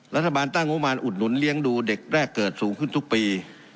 รัฐบาลตั้งงบประมาณอุดหนุนเลี้ยงดูเด็กแรกเกิดสูงขึ้นทุกปี